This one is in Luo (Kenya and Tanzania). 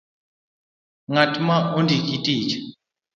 Ng'at ma ondiki tich